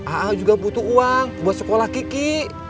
aa juga butuh uang buat sekolah kiki